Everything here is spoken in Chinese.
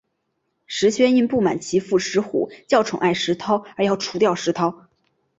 石宣因不满其父石虎较宠爱石韬而要除掉石韬。